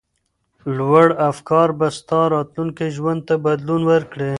لوړ افکار به ستا راتلونکي ژوند ته بدلون ورکړي.